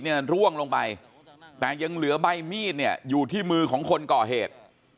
ร่วงลงไปแต่ยังเหลือใบมีดเนี่ยอยู่ที่มือของคนก่อเหตุ